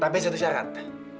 tapi satu syarat